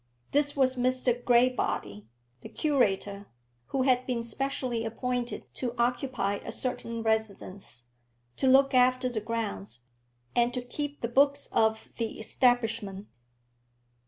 This was Mr Graybody, the curator, who had been specially appointed to occupy a certain residence, to look after the grounds, and to keep the books of the establishment.